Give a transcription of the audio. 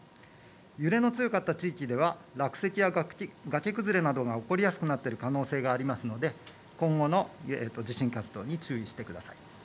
揺れの強かった地域では落石や崖崩れなどが起きやすくなっている可能性がありますので今後の地震活動に注意してください。